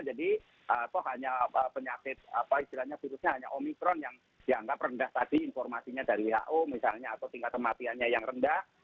jadi kok hanya penyakit virusnya hanya omicron yang dianggap rendah tadi informasinya dari who misalnya atau tingkat kematiannya yang rendah